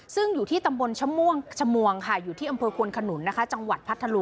ซึ่งอยู่ที่ตำบลชมชมวงค่ะ